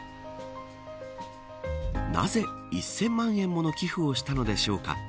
なぜ、１０００万円もの寄付をしたのでしょうか。